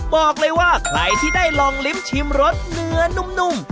บอกเลยว่าใครที่ได้ลองลิ้มชิมรสเนื้อนุ่ม